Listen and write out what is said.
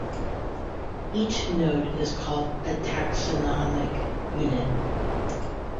Each node is called a taxonomic unit.